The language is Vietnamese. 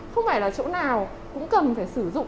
không phải là chỗ nào cũng cần phải sử dụng